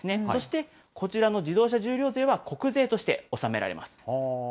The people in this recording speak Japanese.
そしてこちらの自動車重量税は国税として納められます。